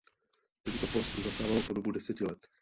Tento post zastával po dobu deseti let.